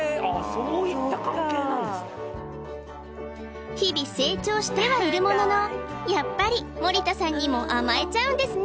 そっか日々成長してはいるもののやっぱり盛田さんにも甘えちゃうんですね